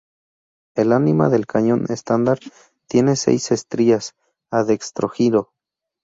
El ánima del cañón estándar tiene seis estrías a dextrógiro.